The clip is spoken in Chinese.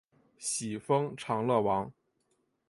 徙封长乐王。